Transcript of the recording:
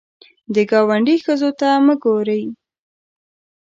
د ګاونډي ښځو ته مه ګورې